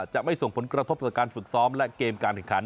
จะไม่ส่งผลกระทบต่อการฝึกซ้อมและเกมการแข่งขัน